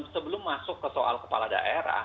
sebelum masuk ke soal kepala daerah